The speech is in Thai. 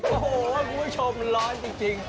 โอ้โหคุณผู้ชมมันร้อนจริง